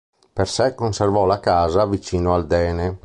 Per sé conservò la casa vicino al Dene.